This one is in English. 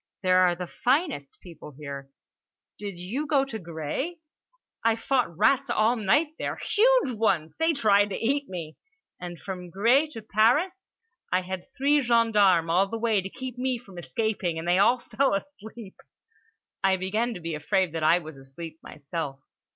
There are the finest people here! Did you go to Gré? I fought rats all night there. Huge ones. They tried to eat me. And from Gré to Paris? I had three gendarmes all the way to keep me from escaping, and they all fell asleep." I began to be afraid that I was asleep myself.